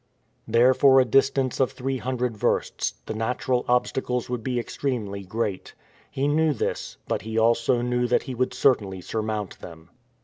There, for a distance of three hundred versts, the natural obstacles would be extremely great. He knew this, but he also knew that he would certainly surmount them.